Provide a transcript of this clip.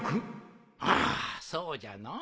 ああそうじゃのう。